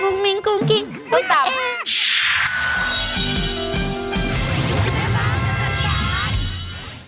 กุ้งมิ้งกุ้งกิ๊กกุ้งตามต้องตาม